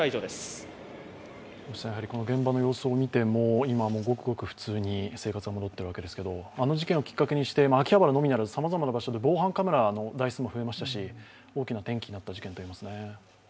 この現場の様子を見ても、今はごくごく普通の生活が戻っているわけですがあの事件をきっかけにして秋葉原のみならずさまざまな場所で防犯カメラの台数も増えましたし、大きな転機になった事件でしたね。